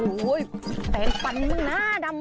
โอ้โฮแฟนปันมึงหน้าดำ